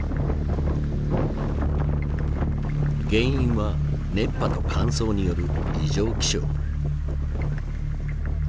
原因は熱波と乾燥による異常気象。